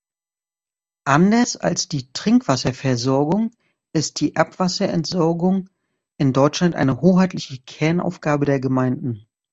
Anders als die Trinkwasserversorgung ist die Abwasserentsorgung in Deutschland eine hoheitliche Kernaufgabe der Gemeinden.